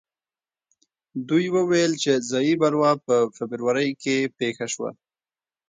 دوی وویل چې ځايي بلوا په فبروري کې پېښه شوه.